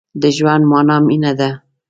د ژوند مانا مينه ده.